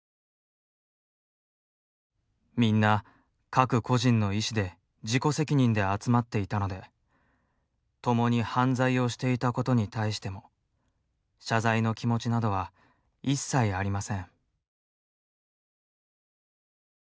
みんな、各個人の意志で自己責任で集まっていたので共に犯罪をしていたことに対しても、謝罪の気持ちなどは一切ありません。